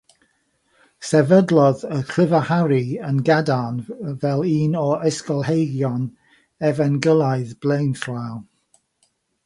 Sefydlodd y llyfr Harri yn gadarn fel un o'r ysgolheigion Efengylaidd blaenllaw.